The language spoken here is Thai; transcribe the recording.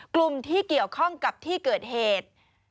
กลุ่มที่เกี่ยวข้องกับที่เกิดเหตุ